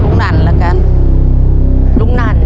ชุดที่๔ข้าวเหนียว๒ห้อชุดที่๔